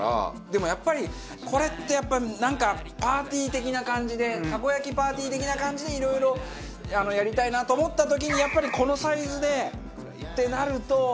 でもやっぱりこれってやっぱりなんかパーティー的な感じでたこ焼きパーティー的な感じでいろいろやりたいなと思った時にやっぱりこのサイズでってなると。